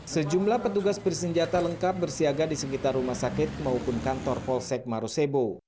sejumlah petugas bersenjata lengkap bersiaga di sekitar rumah sakit maupun kantor polsek marosebo